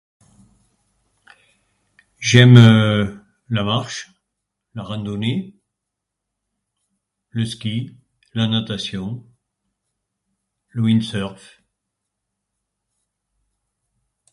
J'aime la marche, la randonnée, le ski, la natation, le windsurf